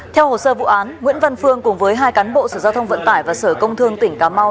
theo hồ sơ vụ án nguyễn văn phương cùng với hai cán bộ sở giao thông vận tải và sở công thương tỉnh cà mau